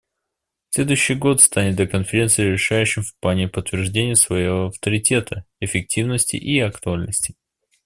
Следующий год станет для Конференции решающим в плане подтверждения своего авторитета, эффективности и актуальности.